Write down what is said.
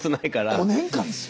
５年間ですよ。